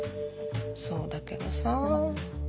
そうだけどさぁ。